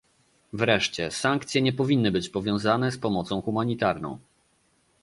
Wreszcie, sankcje nie powinny być powiązane z pomocą humanitarną